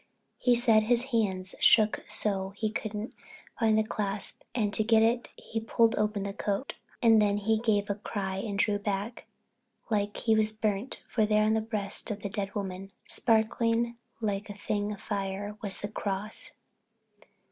He said his hands shook so he couldn't find the clasp and to get at it he pulled open the coat. And then he gave a cry and drew back like he was burnt, for there on the breast of the dead woman, sparkling like a thing of fire, was the cross.